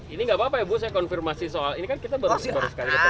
ini tidak apa apa ya bu saya konfirmasi soal ini kan kita baru seterusnya